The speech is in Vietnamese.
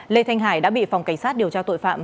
lê thanh hải đã bị phòng cảnh sát điều tra tội phạm